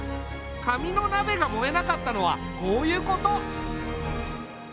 紙のなべが燃えなかったのはこういうこと。